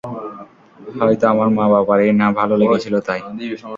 হয়তো আমার মা বাবার এই না ভালো লেগেছিল তাই।